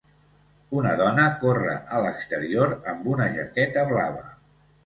Una dona corre a l'exterior amb una jaqueta blava.